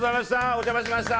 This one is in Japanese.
お邪魔しました。